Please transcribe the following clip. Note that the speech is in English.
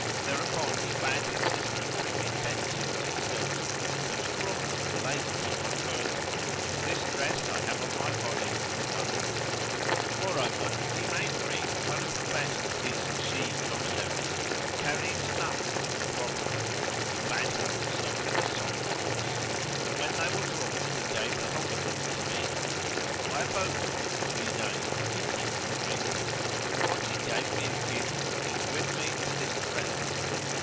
Thereupon he bade his sister bring me ten suits of silk, so she brought them and laid them on my person, and this dress I have on my body is one of them. Moreover, he made bring one of the best of his she dromedaries[FN#126] carrying stuffs and provaunt, he bade her also bring a sorrel horse, and when they were brought he gave the whole of them to me. I abode with them three days, eating and drinking, and what he gave me of gifts is with me to this present.